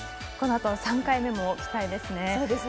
このあと３回目も期待ですね。